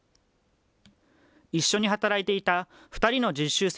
一緒に働いていた２人の実習生